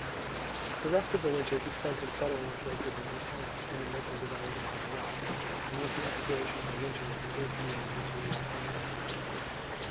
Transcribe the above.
The rest of the winter he spent in settling the places in his hands, and in making designs upon the rest; and with the expiration of the winter the eighth year of this war ended.